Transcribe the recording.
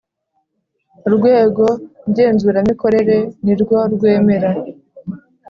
Urwego ngenzura mikorere ni rwo rwemera